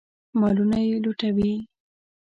مالونه یې لوټوي.